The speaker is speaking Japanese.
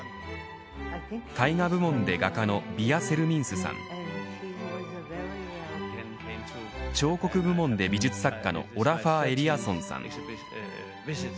絵画部門で画家のヴィヤ・セルミンスさん彫刻部門で美術作家のオラファー・エリアソンさん